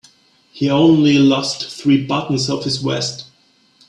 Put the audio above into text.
He only lost three buttons off his vest.